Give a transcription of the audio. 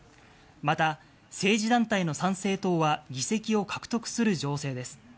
また、政治団体の参政党は議席を獲得する情勢です。